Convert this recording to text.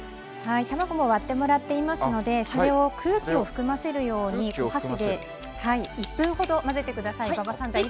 割ってもらっていますのでそれを空気を含ませるように箸で１分程混ぜてください。